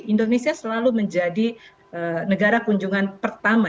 indonesia selalu menjadi negara kunjungan pertama